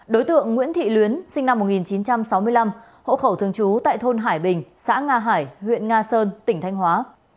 đối tượng nguyễn thị luyến sinh năm một nghìn chín trăm sáu mươi năm hộ khẩu thường trú tại thôn hải bình xã nga hải huyện nga sơn tỉnh thanh hóa